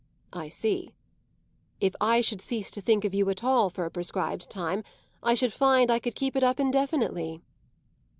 "I see. If I should cease to think of you at all for a prescribed time, I should find I could keep it up indefinitely."